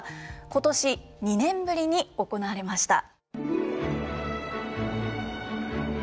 今年２年ぶりに行われました。